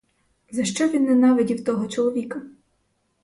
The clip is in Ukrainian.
За що він ненавидів того чоловіка?